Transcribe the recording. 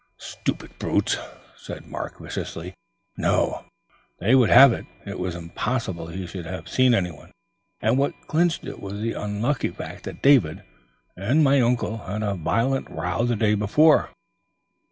"Stupid brutes!" said Mark viciously. "No, they would have it it was impossible he should have seen anyone. And what clinched it was the unlucky fact that David and my uncle had had a violent row the day before.